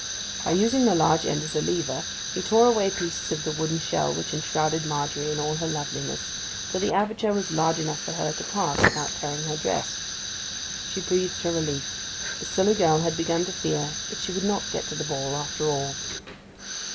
By using the large end as a lever, he tore away pieces of the wooden shell which enshrouded Margery and all her loveliness, till the aperture was large enough for her to pass without tearing her dress. She breathed her relief: the silly girl had begun to fear that she would not get to the ball after all.